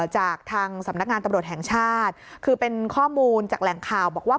จากทางสำนักงานตำรวจแห่งชาติคือเป็นข้อมูลจากแหล่งข่าวบอกว่า